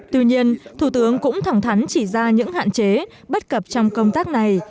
tuy nhiên thủ tướng cũng thẳng thắn chỉ ra những hạn chế bất cập trong công tác này